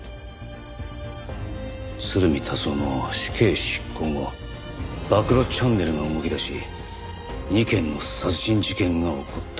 鶴見達男の死刑執行後暴露チャンネルが動きだし２件の殺人事件が起こった。